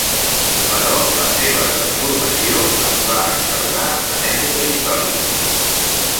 Però la seva transformació es va accelerar en època històrica.